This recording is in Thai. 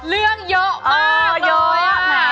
เรื่องเยอะมากเลยอ่ะ